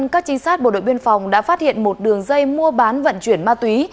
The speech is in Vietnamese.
các trinh sát bộ đội biên phòng đã phát hiện một đường dây mua bán vận chuyển ma túy